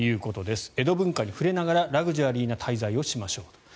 江戸文化に触れながらラグジュアリーな滞在をしましょうと。